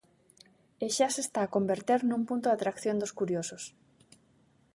E xa se está a converter nun punto de atracción dos curiosos.